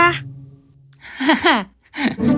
hahahaha itu jelek sekali tidak ada